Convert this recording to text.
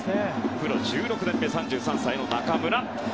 プロ１６年目３３歳の中村。